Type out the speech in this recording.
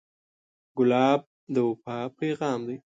ګلاب د وفا پیغام دی.